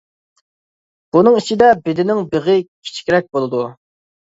بۇنىڭ ئىچىدە بېدىنىڭ بېغى كىچىكرەك بولىدۇ.